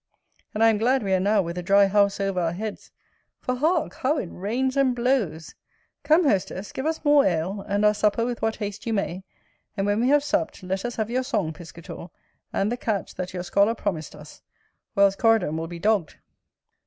And I am glad we are now with a dry house over our heads; for, hark! how it rains and blows. Come, hostess, give us more ale, and our supper with what haste you may: and when we have supped, let us have your song, Piscator; and the catch that your scholar promised us; or else, Coridon will be dogged.